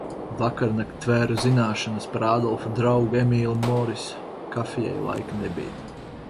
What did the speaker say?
Vakarnakt tvēru zināšanas par Ādolfa draugu Emīlu Morisu. Kafijai laika nebija.